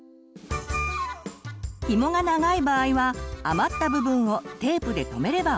ひもが長い場合は余った部分をテープで留めればＯＫ！